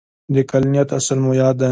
د عقلانیت اصل مو یاد کړ.